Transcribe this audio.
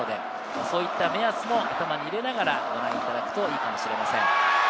そういった目安も頭に入れながらご覧いただくといいかもしれません。